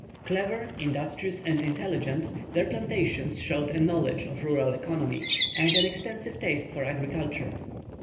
Clever, industrious, and intelligent, their plantations showed a knowledge of rural economy, and an extensive taste for agriculture.